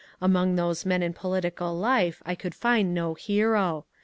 Among those men in political life I could find no hero.